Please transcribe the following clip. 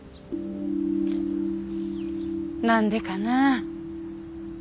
何でかな。